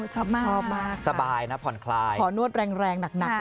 ชอบมากค่ะสบายนะผ่อนคลายขอนวดแรงหนักเลยค่ะ